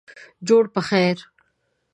جوړ پخیر